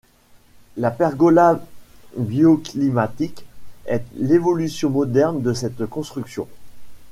La pergola bioclimatique est l'évolution moderne de cette construction.